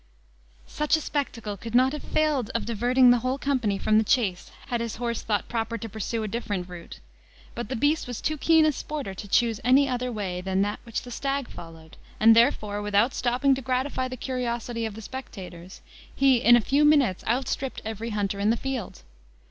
Such a spectacle could not have failed of diverting the whole company from the chase had his horse thought proper to pursue a different route; but the beast was too keen a sporter to choose any other way than that which the stag followed and therefore, without stopping to gratify the curiosity of the spectators, he in a few minutes outstripped every hunter in the field.